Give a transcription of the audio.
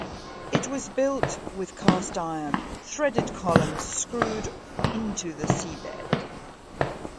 It was built with cast iron threaded columns screwed into the seabed.